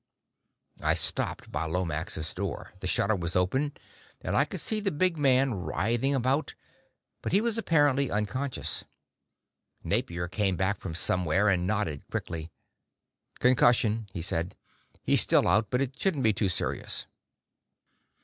I stopped by Lomax's door; the shutter was open, and I could see the big man writhing about, but he was apparently unconscious. Napier came back from somewhere, and nodded quickly. "Concussion," he said. "He's still out, but it shouldn't be too serious."